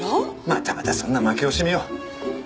またまたそんな負け惜しみを。